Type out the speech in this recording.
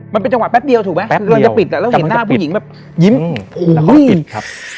มันเป็นจังหวะแป๊บเดียวถูกไหมจะปิดแต่แล้วเห็นหน้าผู้หญิงยิ้มโอ้โฮ